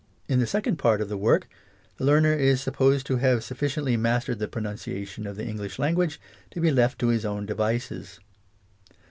In the second part of the work the learner is supposed to have sufficiently mastered the pronunciation of the English language, to be left to his own devices.